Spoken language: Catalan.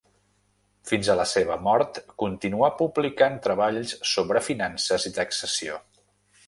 Fins a la seva mort continuà publicant treballs sobre finances i taxació.